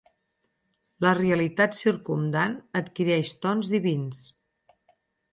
La realitat circumdant adquireix tons divins.